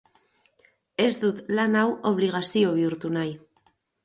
Ez dut lan hau obligazio bihurtu nahi.